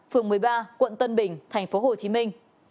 phường một mươi ba quận tân bình thành phố hồ chí minh